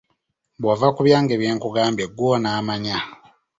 Bw'ova ku byange byenkugambye ggwe onaamanya.